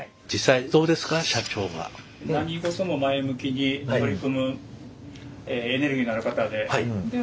何事も前向きに取り組むエネルギーのある方で。